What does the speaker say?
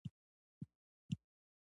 تنور د تنګې سیمې د خوړو فابریکه ده